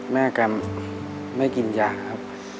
แม่ก็ไม่กินยาครับ